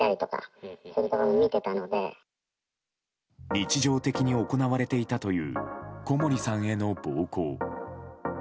日常的に行われていたという小森さんへの暴行。